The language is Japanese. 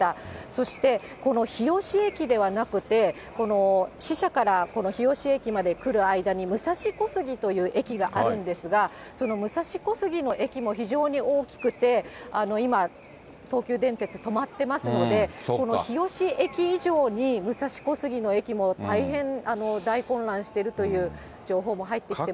そして、この日吉駅ではなくて、支社から日吉駅まで来る間に、武蔵小杉という駅があるんですが、その武蔵小杉の駅も非常に大きくて、今、東急電鉄止まってますので、この日吉駅以上に武蔵小杉の駅も大変、大混乱してるという情報も入ってきてます。